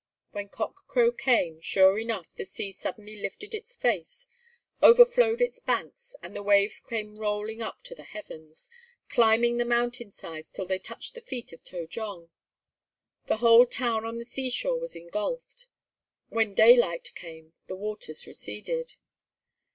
When cock crow came, sure enough the sea suddenly lifted its face, overflowed its banks, and the waves came rolling up to the heavens, climbing the mountain sides till they touched the feet of To jong. The whole town on the seashore was engulfed. When daylight came the waters receded.